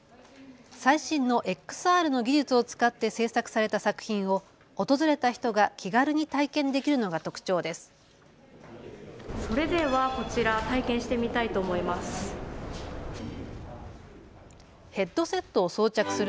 最新のＸＲの技術を使って制作された作品を訪れた人が気軽に体験できるのが特徴です。